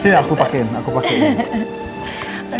sini aku pakein aku pakein